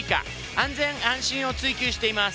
安全安心を追求しています。